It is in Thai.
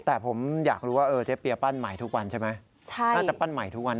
แต่ผมอยากรู้ว่าเจ๊เปียปั้นใหม่ทุกวันใช่ไหม